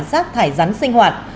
giác thải rắn sinh hoạt